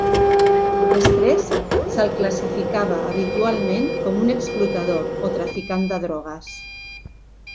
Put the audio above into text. Després, se'l classificava habitualment com un explotador o traficant de drogues.